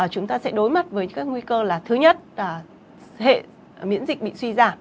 chúng ta sẽ đối mặt với các nguy cơ là thứ nhất là hệ miễn dịch bị suy giảm